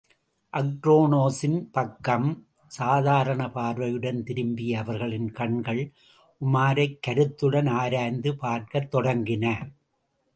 அக்ரோனோஸின் பக்கம் சாதாரணப்பார்வையுடன் திரும்பிய அவர்களின் கண்கள், உமாரைக் கருத்துடன் ஆராய்ந்து பார்க்கத் தொடங்கின.